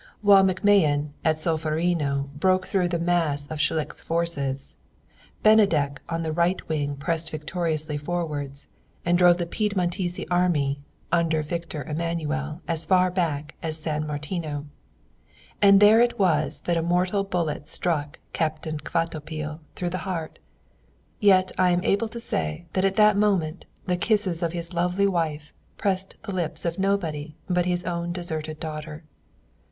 While MacMahon at Solferino broke through the mass of Schlick's forces, Benedek on the right wing pressed victoriously forwards and drove the Piedmontese army under Victor Emmanuel as far back as San Martino, and there it was that a mortal bullet struck Captain Kvatopil through the heart. Yet I am able to say that at that moment the kisses of his lovely wife pressed the lips of nobody but his own deserted daughter.